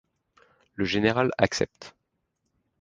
Le général accepte.